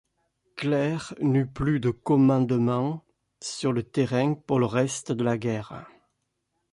Clair n'eut plus de commandement sur le terrain pour le reste de la guerre.